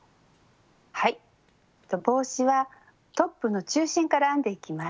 はい帽子はトップの中心から編んでいきます。